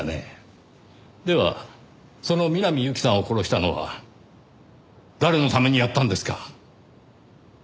ではその南侑希さんを殺したのは誰のためにやったんですか？